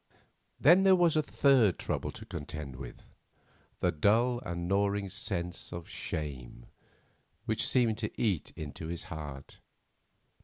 Then there was a third trouble to contend with,—the dull and gnawing sense of shame which seemed to eat into his heart.